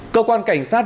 cơ quan cảnh sát